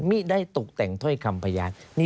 ไม่ได้ตกแต่งถ้อยคำพยาน